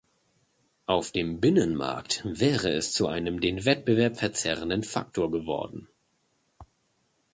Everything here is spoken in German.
Auf dem Binnenmarkt wäre es zu einem den Wettbewerb verzerrenden Faktor geworden.